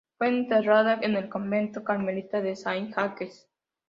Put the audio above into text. Fue enterrada en el convento carmelita de Saint-Jacques.